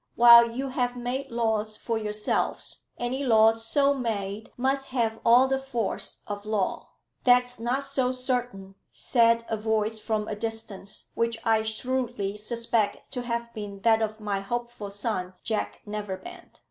While you have made laws for yourselves, any laws so made must have all the force of law." "That's not so certain," said a voice from a distance, which I shrewdly suspect to have been that of my hopeful son, Jack Neverbend.